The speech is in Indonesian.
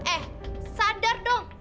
eh sadar dong